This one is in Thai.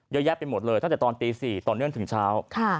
เยอะแยะไปหมดเลยตั้งแต่ตอนตี๔ต่อเนื่องถึงเช้า